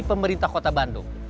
ini pemerintah kota bandung